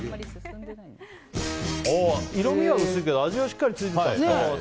色味は薄いけど味はしっかりついてたよね。